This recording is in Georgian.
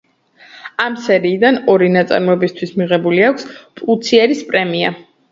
ამ სერიიდან ორი ნაწარმოებისთვის მიღებული აქვს პულიცერის პრემია.